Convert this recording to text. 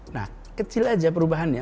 nah kecil aja perubahannya